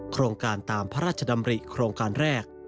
โครงการตามพระราชดำริโครงการแรก